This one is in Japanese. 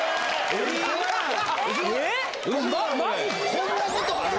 こんなことある？